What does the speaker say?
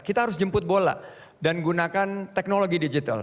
kita harus jemput bola dan gunakan teknologi digital